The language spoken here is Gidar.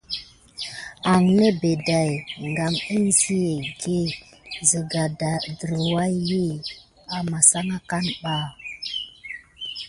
Mis nebet day game kisigué sika va tuyani akamasan aka.